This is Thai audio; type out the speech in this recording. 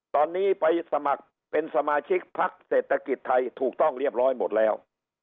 ตอนนี้ไปสมัครเป็นสมาชิกพักเศรษฐกิจไทยถูกต้องเรียบร้อยหมดแล้ว